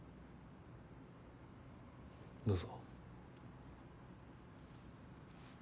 どうぞ。